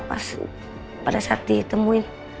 pas pada saat ditemuin